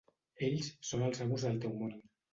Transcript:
Ells són els amos del teu món.